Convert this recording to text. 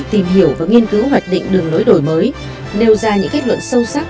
tìm hiểu và nghiên cứu hoạch định đường lối đổi mới nêu ra những kết luận sâu sắc